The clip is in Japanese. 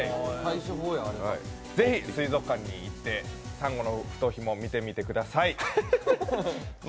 ぜひ水族館にいって、サンゴノフトヒモ見てみてください。